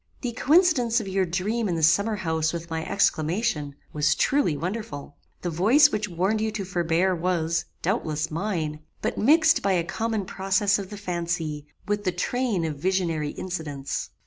"The coincidence of your dream in the summer house with my exclamation, was truly wonderful. The voice which warned you to forbear was, doubtless, mine; but mixed by a common process of the fancy, with the train of visionary incidents.